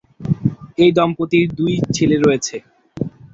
এই দম্পতির দুই ছেলে রয়েছে।